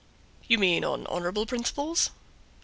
"You mean on honorable principles?"